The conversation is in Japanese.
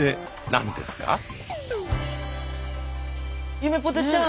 ゆめぽてちゃん